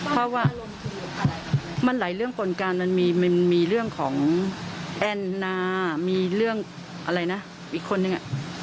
เพราะว่ามันหลายเรื่องกลการมันมีเรื่องของแอนนามีเรื่องอะไรนะอีกคนนึง